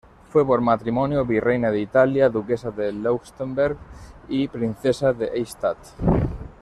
Fue por matrimonio Virreina de Italia, Duquesa de Leuchtenberg y Princesa de Eichstätt.